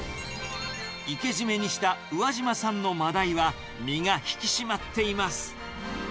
生けじめにした宇和島産のマダイは、身が引き締まっています。